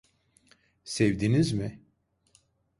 Sevdiniz mi?